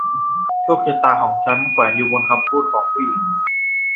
โชคชะตาของฉันแขวนอยู่บนคำพูดของผู้หญิง